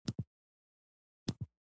کاري پلان د منظوروونکي لاسلیک لري.